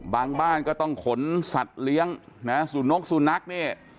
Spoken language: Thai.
บ้านก็ต้องขนสัตว์เลี้ยงนะสุนกสุนัขเนี่ย